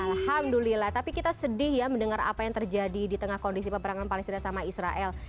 alhamdulillah tapi kita sedih ya mendengar apa yang terjadi di tengah kondisi peperangan palestina sama israel